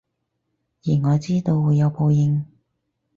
而我知道會有報應